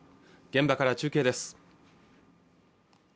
現場から中継です